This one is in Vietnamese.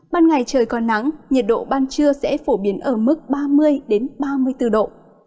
ban ngày trời còn nắng nhiệt độ ban trưa sẽ phổ biến ở mức ba mươi ba mươi bốn độ